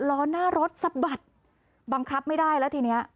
ล้อหน้ารถสะบัดบังคับไม่ได้แล้วทีเนี้ย